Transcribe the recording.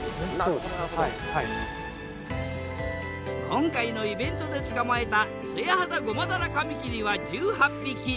今回のイベントで捕まえたツヤハダゴマダラカミキリは１８匹。